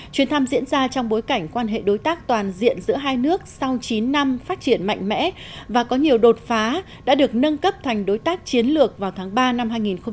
chuyến thăm diễn ra trong bối cảnh quan hệ đối tác toàn diện giữa hai nước sau chín năm phát triển mạnh mẽ và có nhiều đột phá đã được nâng cấp thành đối tác chiến lược vào tháng ba năm hai nghìn một mươi tám